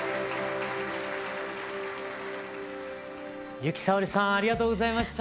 由紀さおりさんありがとうございました。